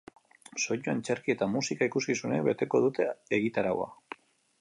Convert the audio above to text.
Soinu, antzerki eta musika ikuskizunek beteko dute egitaraua.